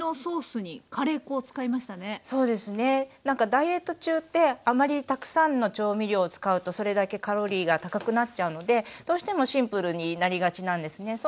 なんかダイエット中ってあまりたくさんの調味料を使うとそれだけカロリーが高くなっちゃうのでどうしてもシンプルになりがちなんですね。